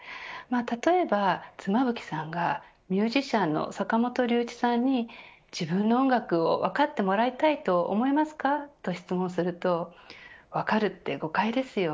例えば妻夫木さんがミュージシャンの坂本龍一さんに自分の音楽を分かってもらいたいと思いますか、と質問すると分かるって誤解ですよ